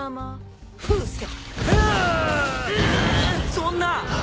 「そんな！